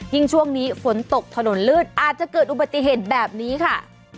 ช่วงนี้ฝนตกถนนลื่นอาจจะเกิดอุบัติเหตุแบบนี้ค่ะ